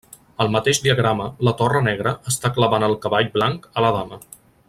Al mateix diagrama, la torre negra està clavant el cavall blanc a la dama.